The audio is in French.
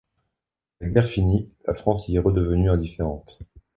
La guerre finie, la France y est redevenue indifférente.